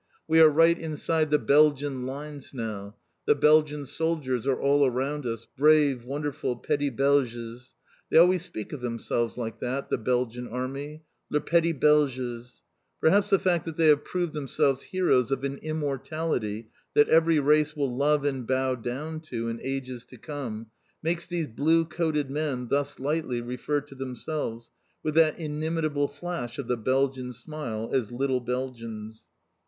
We are right inside the Belgian lines now; the Belgian soldiers are all around us, brave, wonderful "Petits Belges!" They always speak of themselves like that, the Belgian Army: "Les Petits Belges!" Perhaps the fact that they have proved themselves heroes of an immortality that every race will love and bow down to in ages to come, makes these blue coated men thus lightly refer to themselves, with that inimitable flash of the Belgian smile, as "little Belgians."